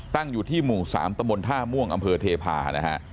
อยู่ที่หมู่๓ตะบนท่าม่วงอำเภอเทพานะฮะ